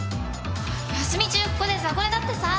休み中ここで雑魚寝だってさ。